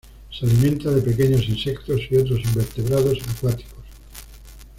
Se alimenta de pequeños insectos y otros invertebrados acuáticos.